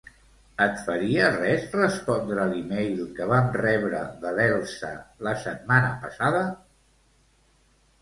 Et faria res respondre l'e-mail que vam rebre de l'Elsa la setmana passada?